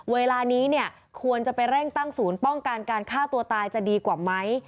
เวลานี้เนี่ยควรจะไปเร่งตั้งศูนย์ป้องกันการฆ่าตัวตายจะดีกว่าไหม